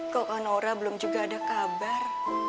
kok kak naura belum juga ada kabar